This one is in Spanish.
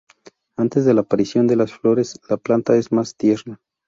Antes de la aparición de las flores, la planta es más tierna.